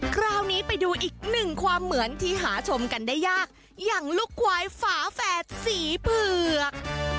คราวนี้ไปดูอีกหนึ่งความเหมือนที่หาชมกันได้ยากอย่างลูกควายฝาแฝดสีเผือก